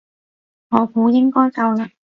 我估應該夠啦